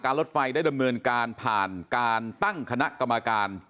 รถไฟได้ดำเนินการผ่านการตั้งคณะกรรมการ